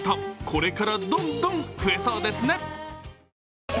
これからどんどん増えそうですね。